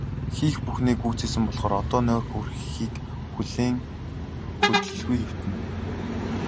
Хийх бүхнээ гүйцээсэн болохоор одоо нойр хүрэхийг хүлээн хөдлөлгүй хэвтэнэ.